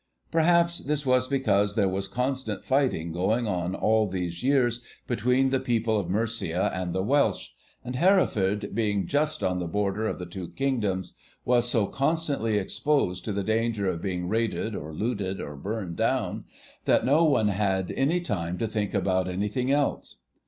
Perhaps this was because there was constant fighting going on all these years between the people of Mercia and the Welsh; and Hereford, being just on the border of the two Kingdoms, was so constantly exposed to the danger of being raided, or looted, or burned down, that no one had any time to think about anything else.